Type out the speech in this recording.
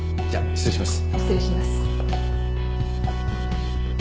失礼します。